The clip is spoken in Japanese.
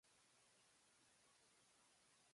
人間というものは